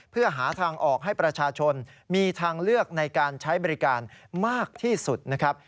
เพื่อหาทางออกให้ประชาชนมีทางเลือกในการใช้บริการมากที่สุดนะครับ